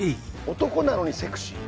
男なのにセクシー？